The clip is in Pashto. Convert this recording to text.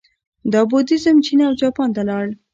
دا بودیزم چین او جاپان ته لاړ